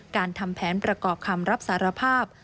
ทำแผนประกอบคำรับสารภาพ